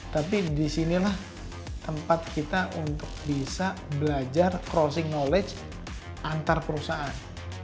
tapi disinilah tempat kita untuk bisa belajar crossing knowledge antar perusahaan